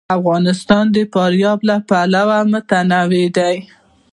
افغانستان د فاریاب له پلوه متنوع دی.